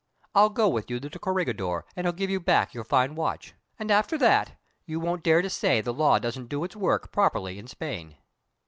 I'll go with you to the Corregidor, and he'll give you back your fine watch. And after that, you won't dare to say the law doesn't do its work properly in Spain."